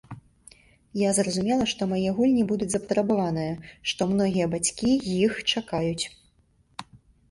Я зразумела, што мае гульні будуць запатрабаваныя, што многія бацькі іх чакаюць.